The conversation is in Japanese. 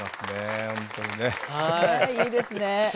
ねいいですね。